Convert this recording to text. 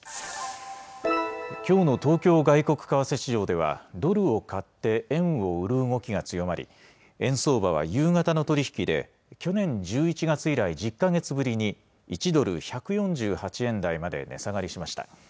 きょうの東京外国為替市場では、ドルを買って円を売る動きが強まり、円相場は夕方の取り引きで、去年１１月以来、１０か月ぶりに、１ドル１４８円台まで値下がりしました。